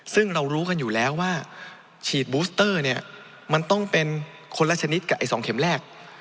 ซึ่งเรารู้กันอยู่แล้วว่าฉีดบูสเตอร์เนี่ยมันต้องเป็นคนละชนิดกับไอ้๒เข็มแรก